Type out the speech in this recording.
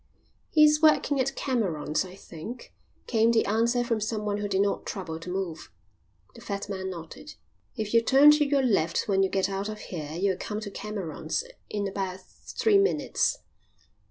"He's working at Cameron's, I think," came the answer from someone who did not trouble to move. The fat man nodded. "If you turn to your left when you get out of here you'll come to Cameron's in about three minutes."